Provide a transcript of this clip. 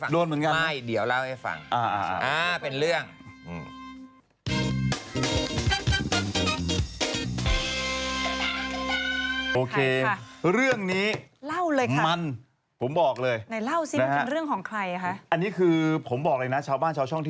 โดนเหมือนกันสิอันนี้เดี๋ยวจะเล่าให้ฟัง